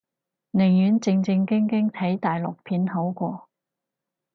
寧願正正經經睇大陸片好過